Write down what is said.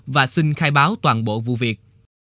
và xin khai báo toàn bộ vụ việc